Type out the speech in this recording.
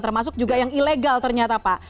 termasuk juga yang ilegal ternyata pak